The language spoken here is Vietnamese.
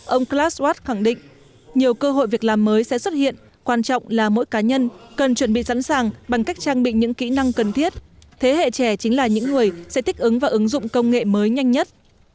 ông klas watt khẳng định nhiều cơ hội việc làm mới sẽ xuất hiện quan trọng là mỗi cá nhân cần chuẩn bị sẵn sàng bằng cách trang bị những kỹ năng cần thiết thế hệ trẻ chính là những người sẽ thích ứng và ứng dụng công nghệ mới nhanh nhất